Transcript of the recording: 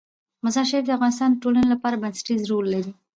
مزارشریف د افغانستان د ټولنې لپاره بنسټيز رول لري.